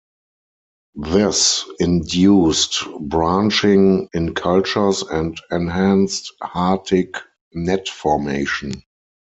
This induced branching in cultures, and enhanced Hartig net formation.